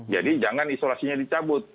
jadi jangan isolasinya dicabut